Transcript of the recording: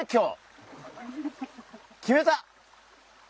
決めた！